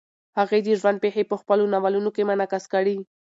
هغې د ژوند پېښې په خپلو ناولونو کې منعکس کړې.